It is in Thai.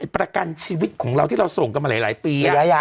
ประกันชีวิตของเราที่เราส่งกันมาหลายปี